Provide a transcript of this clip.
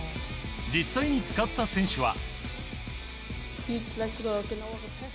実際に使った選手は。